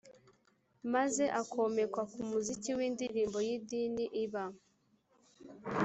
maze akomekwa ku muziki w'indirimbo y'idini iba